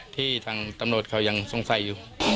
ที่ทางตำรวจเขายังสงสัยอยู่